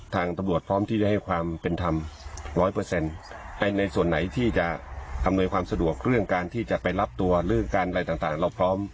ทางตำรวจพร้อมที่จะให้ความเป็นธรรมร้อยเปอร์เซ็นต์ในส่วนไหนที่จะอำนวยความสะดวกเรื่องการที่จะไปรับตัวหรือการอะไรต่างเราพร้อม